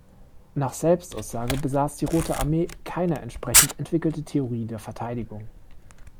Nach Selbstaussage besaß die Rote Armee keine entsprechend entwickelte Theorie der Verteidigung.